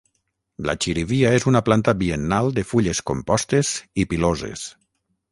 La xirivia és una planta biennal de fulles compostes i piloses.